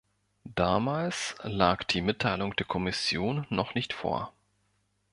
Damals lag die Mitteilung der Kommission noch nicht vor.